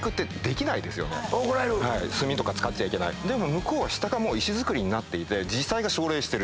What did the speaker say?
向こうは下が石造りになっていて自治体が奨励してる。